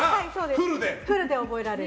フルで覚えられる。